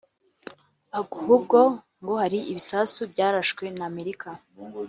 ahubwo ngo ari ibisasu byarashwe na Amerika